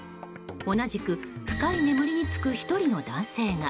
同じく深い眠りにつく１人の男性が。